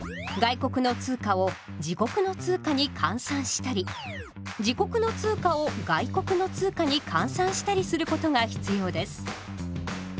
外国の通貨を自国の通貨に換算したり自国の通貨を外国の通貨に換算したりすることが必要です。